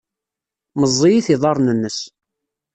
Meẓẓiyit yiḍarren-nnes.